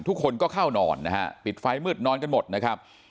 ทุกคนก็เข้านอนนะฮะปิดไฟมืดนอนกันหมดนะครับ